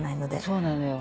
そうなのよ。